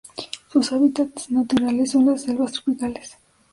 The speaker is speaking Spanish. Sus hábitats naturales son las selvas tropicales.